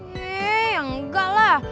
nih ya enggak lah